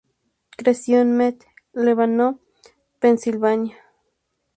Creció en Mt. Lebanon, Pensilvania.